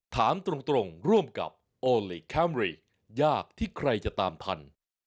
ถามตรงร่วมกับโอลี่คัมรี่ยากที่ใครจะตามทัน